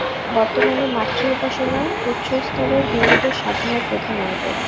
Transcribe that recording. বর্তমানে মাতৃ-উপাসনা উচ্চস্তরের হিন্দুদের সাধনার প্রধান অঙ্গ।